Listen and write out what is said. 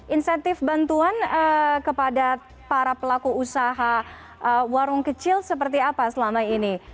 insentif bantuan kepada para pelaku usaha warung kecil seperti apa selama ini